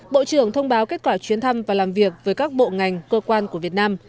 bộ trưởng thông báo kết quả chuyến thăm và làm việc với các bộ ngành cơ quan của việt nam